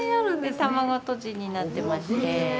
卵とじになってまして。